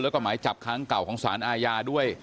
และหมายจับค้างเก่าของศาลอายาด้วย